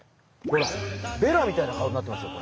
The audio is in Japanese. ほらベラみたいな顔になってますよ